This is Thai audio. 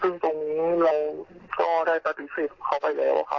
ซึ่งตรงนี้เราก็ได้ปฏิเสธเข้าไปแล้วครับ